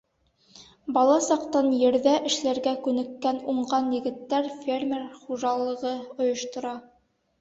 Бала саҡтан ерҙә эшләргә күнеккән уңған егеттәр фермер хужалығы ойоштора.